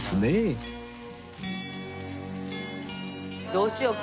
どうしよっか。